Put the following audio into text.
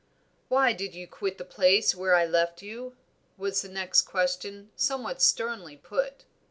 "Why did you quit the place where I left you?" was the next question, somewhat sternly put.